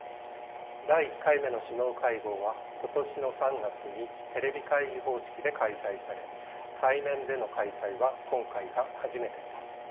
第１回目の首脳会合は今年の３月にテレビ会議方式で開催され対面での開催は今回が初めてです。